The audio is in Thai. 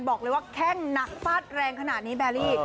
บอกเลยว่าแข้งหนักฟาดแรงขนาดนี้แบรี่